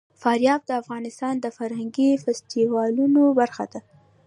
فاریاب د افغانستان د فرهنګي فستیوالونو برخه ده.